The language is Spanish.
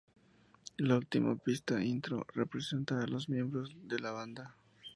La última pista, "Intro", presenta a los miembros de la banda.